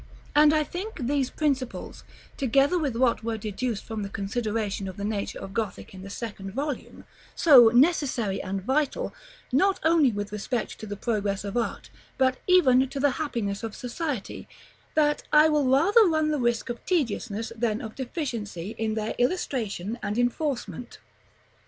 And I think those principles, together with what were deduced from the consideration of the nature of Gothic in the second volume, so necessary and vital, not only with respect to the progress of art, but even to the happiness of society, that I will rather run the risk of tediousness than of deficiency, in their illustration and enforcement.